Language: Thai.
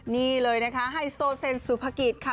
นี่เลยนะคะไฮโซเซนสุภกิจค่ะ